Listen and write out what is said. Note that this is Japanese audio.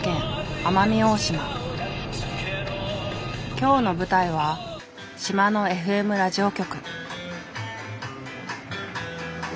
今日の舞台は島のＦＭラジオ局。